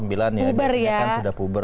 kalau sembilan ya biasanya kan sudah puber